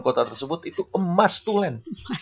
kota tersebut itu emas tulen